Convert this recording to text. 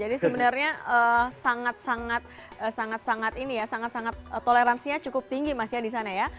jadi sebenarnya sangat sangat toleransinya cukup tinggi mas ya di sana ya